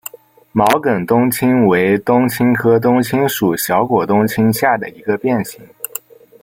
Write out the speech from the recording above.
毛梗冬青为冬青科冬青属小果冬青下的一个变型。